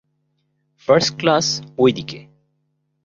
First class ওইদিকে।